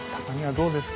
どうですか？